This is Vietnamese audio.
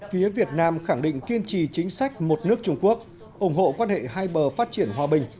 phía việt nam khẳng định kiên trì chính sách một nước trung quốc ủng hộ quan hệ hai bờ phát triển hòa bình